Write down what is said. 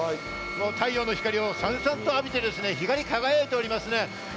太陽の光をサンサンと浴びて光り輝いております。